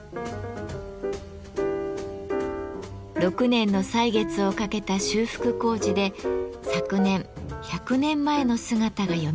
６年の歳月をかけた修復工事で昨年１００年前の姿がよみがえりました。